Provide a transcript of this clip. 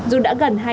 dù đã gần hai tháng